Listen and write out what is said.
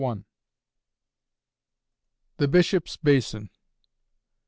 THE BISHOP'S BASIN.